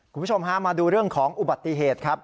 คุณผู้ชมฮะมาดูเรื่องของอุบัติเหตุครับ